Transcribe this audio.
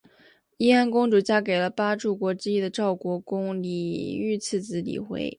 义安公主嫁给了八柱国之一赵国公李弼次子李晖。